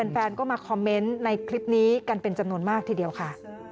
แฟนก็มาคอมเมนต์ในคลิปนี้กันเป็นจำนวนมากทีเดียวค่ะ